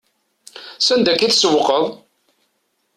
S anda akka i tsewwqeḍ?